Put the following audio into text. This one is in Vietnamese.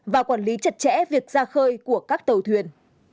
và quản lý chặt chẽ việc ra khơi của các tàu thuyền